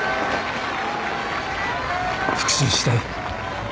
復讐したい。